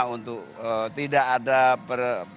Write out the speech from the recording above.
untuk tidak ada perbedaan